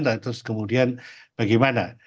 nah terus kemudian bagaimana